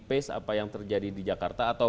pace apa yang terjadi di jakarta atau